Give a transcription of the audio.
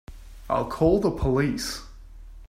I'll call the police.